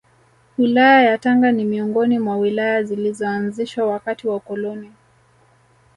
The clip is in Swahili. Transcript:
Wilaya yaTanga ni miongoni mwa Wilaya zilizoanzishwa wakati wa ukoloni